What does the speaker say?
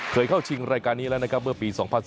เข้าชิงรายการนี้แล้วนะครับเมื่อปี๒๐๑๙